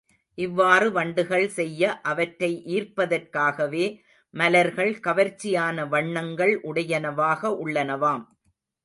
இவ்வாறு வண்டுகள் செய்ய அவற்றை ஈர்ப்பதற்காகவே, மலர்கள் கவர்ச்சியான வண்ணங்கள் உடையனவாக உள்ளனவாம்.